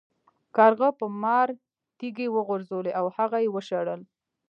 کارغه په مار تیږې وغورځولې او هغه یې وشړل.